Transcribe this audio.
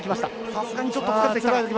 さすがにちょっと疲れてきたか。